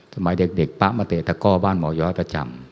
สมัยเด็กป๊ะมาเตะตะก้อบ้านหมอย้อยประจำ